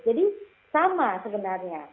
jadi sama sebenarnya